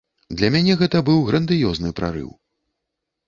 Для мяне гэта быў грандыёзны прарыў.